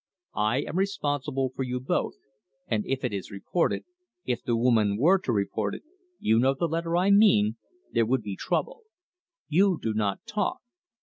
I am responsible for you both, and if it is reported, if the woman were to report it you know the letter I mean there would be trouble. You do not talk.